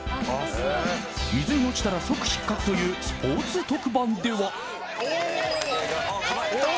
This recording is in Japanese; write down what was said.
水に落ちたら即失格というスポーツ特番では。